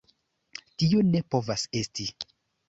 Tio ne povas esti!